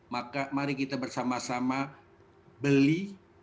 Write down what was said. maka mari kita bersama sama beli